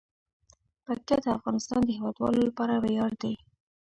پکتیا د افغانستان د هیوادوالو لپاره ویاړ دی.